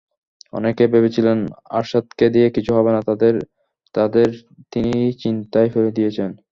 অনেকে ভেবেছিলেন, আরশাদকে দিয়ে কিছু হবে না, তাদের তিনি চিন্তায় ফেলে দিয়েছেন।